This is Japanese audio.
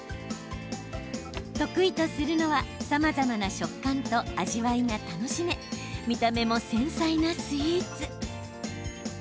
得意とするのはさまざまな食感と味わいが楽しめ見た目も繊細なスイーツ。